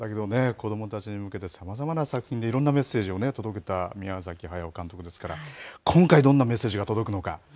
子どもたちに向けてさまざまな作品でいろんなメッセージを届けた宮崎駿監督ですから今回どんなメッセージが届くのか。